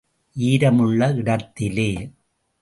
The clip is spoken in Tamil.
ஈரம் உள்ள இடத்திலே.